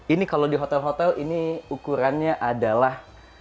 ini kalau di hotel hotel ini ukurannya adalah